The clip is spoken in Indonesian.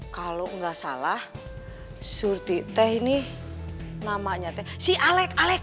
kalau gak salah sur tite ini namanya si alec